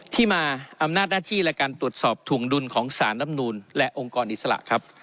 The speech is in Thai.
ที่มาอำนาจหน้าที่และการตรวจสอบถวงดุลของสารรับนูนและองค์กรอิสระครับ